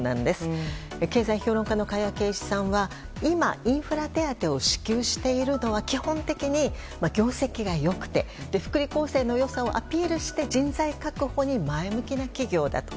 経済評論家の加谷珪一さんは今、インフレ手当を支給しているのは、基本的に業績が良くて福利厚生の良さをアピールして人材確保に前向きな企業だと。